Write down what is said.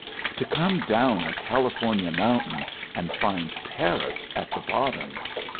"To come down a California mountain and find Paris at the bottom!